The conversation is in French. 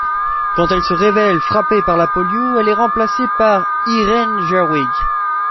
Quand elle se révèle frappée par la polio, elle est remplacée par Irene Gerwig.